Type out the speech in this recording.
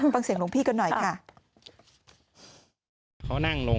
ฟังเสียงหลวงพี่กันหน่อยค่ะ